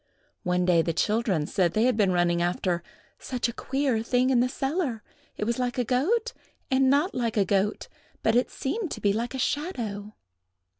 One day the children said they had been running after "such a queer thing in the cellar; it was like a goat, and not like a goat; but it seemed to be like a shadow."